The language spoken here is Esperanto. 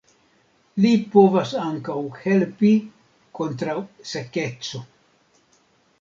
Li povas ankaŭ helpi kontraŭ sekeco.